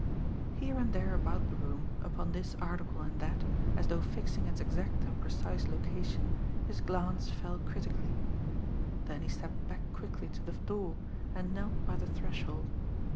Here and there about the room, upon this article and that, as though fixing its exact and precise location, his glance fell critically; then he stepped back quickly to the door, and knelt by the threshold.